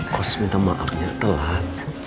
kos minta maafnya telat